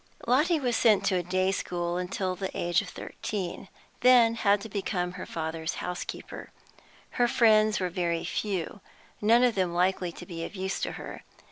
Lotty was sent to a day school till the age of thirteen, then had to become her father's housekeeper. Her friends were very few, none of them likely to be of use to her.